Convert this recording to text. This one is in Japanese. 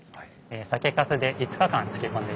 酒かすで５日間漬け込んでいます。